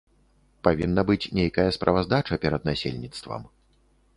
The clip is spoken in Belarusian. Павінна быць нейкая справаздача перад насельніцтвам.